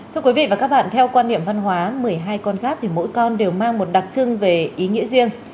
thưa quý vị và các bạn theo quan niệm văn hóa một mươi hai con giáp thì mỗi con đều mang một đặc trưng về ý nghĩa riêng